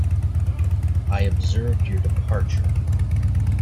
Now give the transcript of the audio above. I observed your departure.